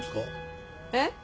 えっ？